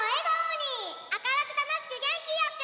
あかるくたのしくげんきよく！